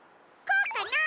こうかな？